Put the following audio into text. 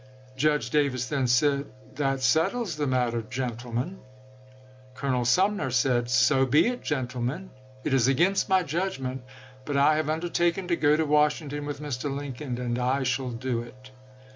Judge Davis then said :" That settles the matter, gentle men." Colonel Sumner said :" So be it, gentlemen ; it is against my judgment, but I have undertaken to go to Washington with Mr. Lincoln, and I shall do it."